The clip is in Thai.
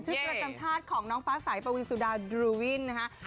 ประจำชาติของน้องฟ้าสายปวีนสุดาดรูวินนะคะ